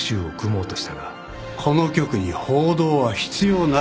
この局に報道は必要ないと。